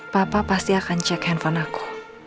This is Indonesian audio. papa pasti akan cek handphone aku